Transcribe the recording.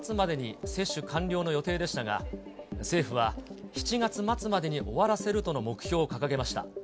市は当初、８月末までに接種完了の予定でしたが、政府は７月末までに終わらせるとの目標を掲げました。